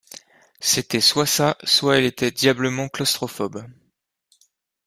C'était soit ça soit elle était diablement claustrophobe.